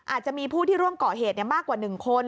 อาจจะมีผู้ที่ร่วมก่อเหตุมากกว่า๑คน